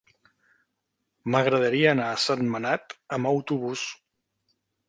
M'agradaria anar a Sentmenat amb autobús.